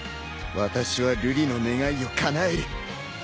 私は瑠璃の願いをかなえる。